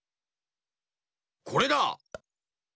これだ！